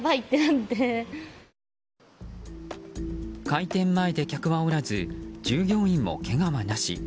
開店前で客はおらず従業員もけがはなし。